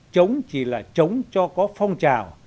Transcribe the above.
chống chỉ là chống cho có phong trào